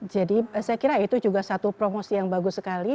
jadi saya kira itu juga satu promosi yang bagus sekali